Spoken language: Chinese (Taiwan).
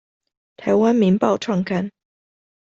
臺灣民報創刊